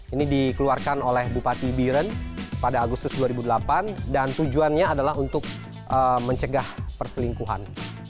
ini dikeluarkan oleh bupati biren pada agustus dua ribu delapan dan tujuannya adalah untuk mencegah perselingkuhan